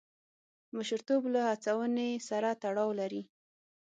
مشرتوب له هڅونې سره تړاو لري.